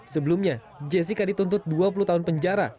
sebelumnya jessica dituntut dua puluh tahun penjara